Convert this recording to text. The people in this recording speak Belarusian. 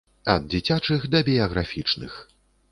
Ад дзіцячых да біяграфічных.